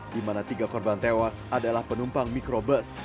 dimana tiga korban tewas adalah penumpang mikrobus